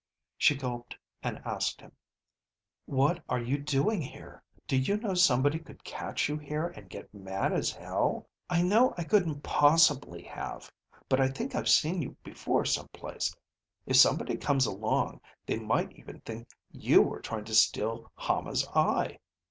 She gulped and asked him, "What are you doing here? Do you know somebody could catch you in here and get mad as hell? I know I couldn't possibly have, but I think I've seen you before some place; if somebody comes along, they might even think you were trying to steal Hama's eye."